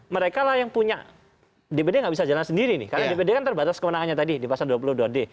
mereka lah yang punya dpd nggak bisa jalan sendiri nih karena dpd kan terbatas kewenangannya tadi di pasal dua puluh dua d